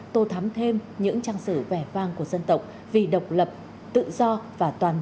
tôi thắm thêm những trang sử vẻ vang của dân tộc vì độc lập tự do và toàn bộ